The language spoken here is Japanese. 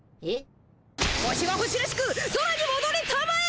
星は星らしく空にもどりたまえ！